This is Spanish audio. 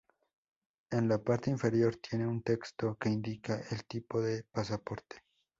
En la parte inferior tiene un texto que indica el tipo de pasaporte.